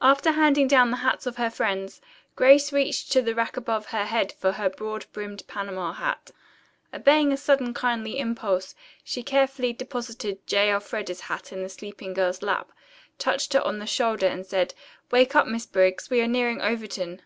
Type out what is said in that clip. After handing down the hats of her friends, Grace reached to the rack above her head for her broad brimmed panama hat. Obeying a sudden kindly impulse, she carefully deposited J. Elfreda's hat in the sleeping girl's lap, touched her on the shoulder and said, "Wake up, Miss Briggs. We are nearing Overton."